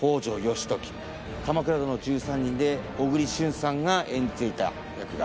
『鎌倉殿の１３人』で小栗旬さんが演じていた役柄。